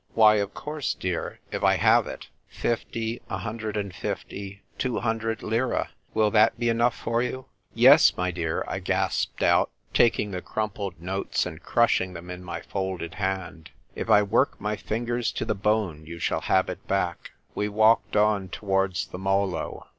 "Why, of course, dear, if I have it. Fifty, a hundred and fifty, two hundred lire ; will that be enough for you ?" "Yes, my child," I gasped out, taking the crumpled notes and crushing them in my folded hand. " If I work my fingers to the bone you shall have it back." We walked on towards the Molo.